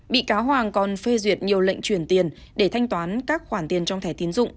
bị cáo hoàng còn phê duyệt nhiều lệnh truyền tiền để thanh toán các khoản tiền trong thẻ tiến dụng